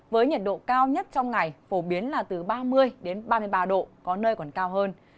với nhiệt độ cao nhất trong ngày phổ biến là từ ba mươi ba mươi ba độ có nơi còn cao hơn